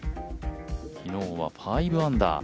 昨日は５アンダー。